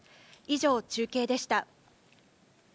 以上、中継でした。